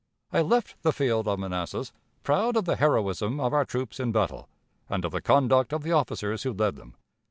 I left the field of Manassas, proud of the heroism of our troops in battle, and of the conduct of the officers who led them.